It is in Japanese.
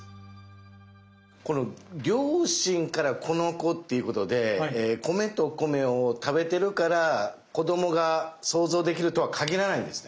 この両親からこの子っていうことで米と米を食べてるから子供が想像できるとは限らないんですね。